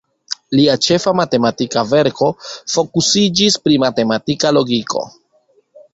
Lia ĉefa matematika verko fokusiĝis pri matematika logiko.